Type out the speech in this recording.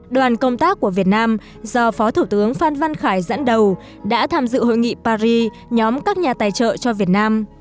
đoàn công tác của việt nam do phó thủ tướng phan văn khải dẫn đầu đã tham dự hội nghị paris nhóm các nhà tài trợ cho việt nam